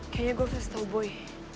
kayaknya gue harus tau boy